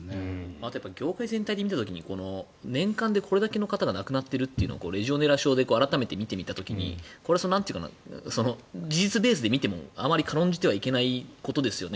あと業界全体で見た時に年間でこれだけの亡くなっている方がいるというのをレジオネラ症で改めて見てみた時に事実ベースで見てもあまり軽んじてはいけないことですよね。